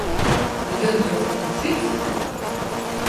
А ён як закрычыць!